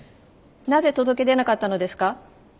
なぜ届け出なかったのですか？